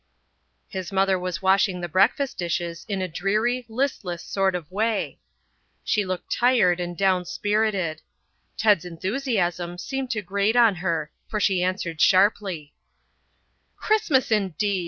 His mother was washing the breakfast dishes in a dreary, listless sort of way. She looked tired and broken spirited. Ted's enthusiasm seemed to grate on her, for she answered sharply: "Christmas, indeed.